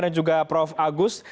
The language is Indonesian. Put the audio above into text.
dan juga prof agus